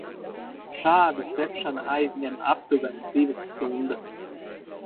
Šādi cepšana aizņem aptuveni divas stundas.